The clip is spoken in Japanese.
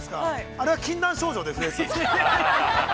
あれは禁断症状ですね。